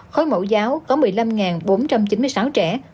khối mẫu giáo có một mươi năm bốn trăm chín mươi sáu trẻ